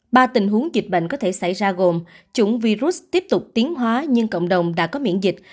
ba tình huống dịch bệnh có thể xảy ra gồm chủng virus tiếp tục tiến hóa nhưng cộng đồng đã có miễn dịch